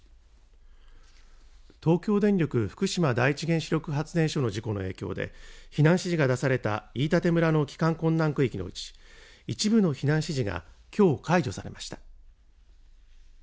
東京電力福島第一原子力発電所の事故の影響で避難指示が出された飯舘村の帰還困難区域のうち一部の避難指示がきょう解除されました。